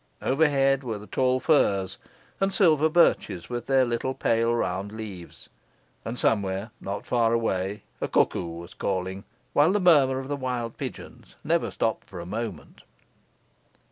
Overhead were the tall firs and silver birches with their little pale round leaves; and somewhere, not far away, a cuckoo was calling, while the murmur of the wild pigeons never stopped for a moment.